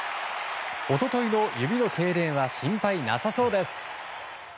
一昨日の指のけいれんは心配なさそうです。